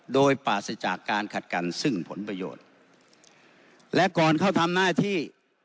โดยปราศจากการขัดกันซึ่งผลประโยชน์และก่อนเข้าทำหน้าที่